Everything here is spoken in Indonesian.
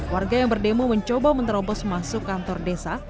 warga yang berdemo mencoba menerobos masuk kantor desa